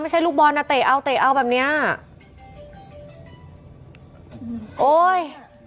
ไม่ใช่ลูกบอลน่ะเตะเอาเตะเอาแบบเนี้ย